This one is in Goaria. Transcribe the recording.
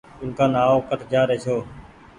اُولڪآن آئو ڪٺ جآ رهي ڇو